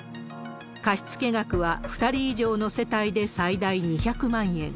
貸付額は２人以上の世帯で最大２００万円。